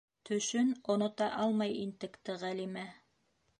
Төшөн онота алмай интекте Ғәлимә.